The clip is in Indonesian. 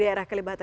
di daerah kalibata